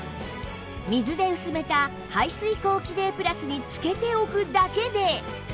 水で薄めた排水口キレイプラスにつけて置くだけで